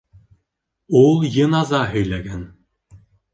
Ул йыназа һөйләгән.